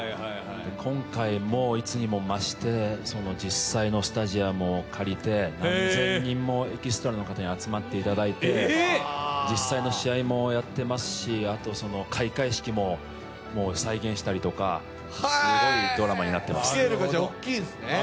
今回もいつにも増して、実際のスタジアムを借りて、何千人もエキストラの方に集まっていただいて実際の試合もやっていますし、あと、開会式も再現したりとか、すごいドラマになっています。